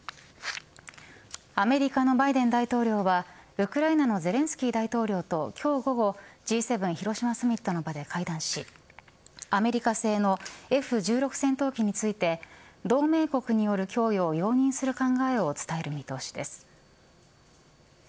アメリカのバイデン大統領はウクライナのゼレンスキー大統領と今日午後Ｇ７広島サミットの場で会談しアメリカ製のＦ−１６戦闘機について同盟国による供与を容認する考えを伝える見通しです。